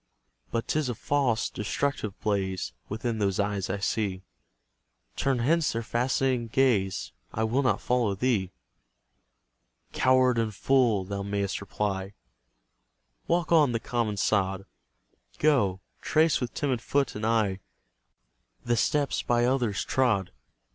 But 'tis a false, destructive blaze Within those eyes I see; Turn hence their fascinating gaze; I will not follow thee. "Coward and fool!" thou mayst reply, Walk on the common sod; Go, trace with timid foot and eye The steps by others trod.